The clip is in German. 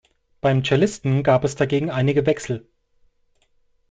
Beim Cellisten gab es dagegen einige Wechsel.